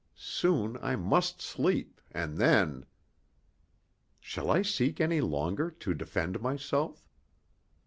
Soon I must sleep, and then Shall I seek any longer to defend myself?